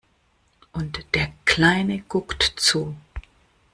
Und der Kleine guckt zu.